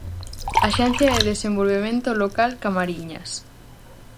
Axencia de desenvolvemento local Camariñas.